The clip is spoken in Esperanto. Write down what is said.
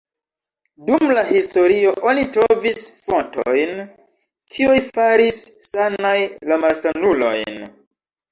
Dum la historio oni trovis fontojn, kiuj faris sanaj la malsanulojn.